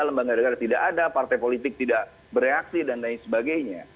lembaga negara tidak ada partai politik tidak bereaksi dan lain sebagainya